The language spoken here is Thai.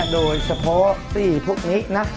โดยเฉพาะสี่แบบนี้นะ